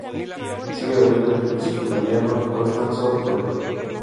Sigue las huellas del filósofo italiano Costanzo Preve.